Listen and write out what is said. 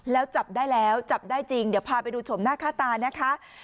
แล้วจับได้แล้วจับได้จริงเดี๋ยวพาไปดูชมหน้าค่าตานะคะ